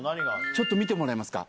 ちょっと見てもらえますか？